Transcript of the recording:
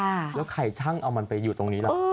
แล้วใครช่างเอามันไปอยู่ตรงนี้ล่ะ